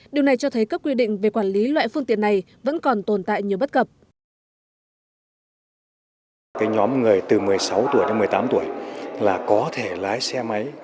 điều này cho thấy các quy định về quản lý